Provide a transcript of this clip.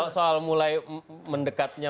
soal mulai mendekatnya